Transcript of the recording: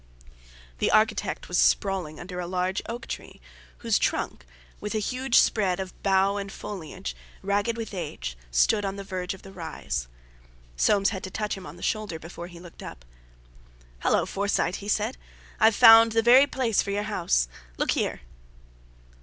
The architect was sprawling under a large oak tree, whose trunk, with a huge spread of bough and foliage, ragged with age, stood on the verge of the rise. Soames had to touch him on the shoulder before he looked up. "Hallo! Forsyte," he said, "I've found the very place for your house! Look here!"